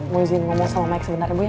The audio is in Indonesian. mau izin ngomong sama mike sebentar ya bu ya